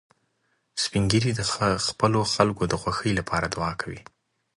سپین ږیری د خپلو خلکو د خوښۍ لپاره دعا کوي